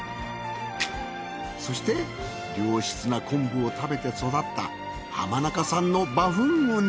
そして良質な昆布を食べて育った浜中産のバフンウニ。